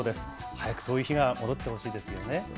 早くそういう日が戻ってほしいですよね。